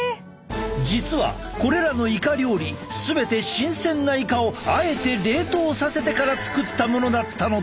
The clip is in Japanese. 実はこれらのいか料理全て新鮮ないかをあえて冷凍させてから作ったものだったのだ！